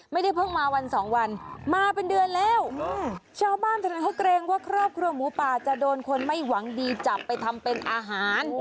ไม่ได้เพิ่งมาวันสองวันมาเป็นเดือนแล้วชาวบ้านเท่านั้นเขาเกรงว่าครอบครัวหมูป่าจะโดนคนไม่หวังดีจับไปทำเป็นอาหาร